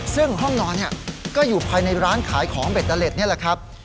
ซึ่งห้องนอนเนี่ยก็อยู่ภายในร้านขายของเบ็ดดะเล็ดเนี่ยแหละครับ